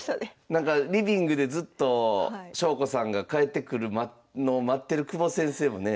なんかリビングでずっと翔子さんが帰ってくるのを待ってる久保先生もね。